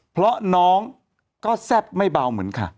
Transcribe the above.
เพราะน้องก็แซ่บไม่เบาเหมือนค่ะ